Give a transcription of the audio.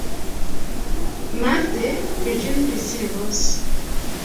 Marde vi ĝin ricevos.